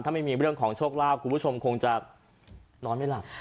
ถ้าไม่มีเรื่องของโชคลาภคุณผู้ชมคงจะนอนไม่หลับ